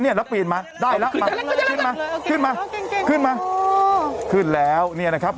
เนี่ยแล้วปีนมาได้แล้วมาขึ้นมาขึ้นมาขึ้นแล้วเนี่ยนะครับ